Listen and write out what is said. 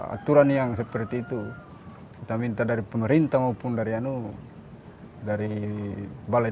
aturan yang seperti itu kita minta dari pemerintah maupun dari balai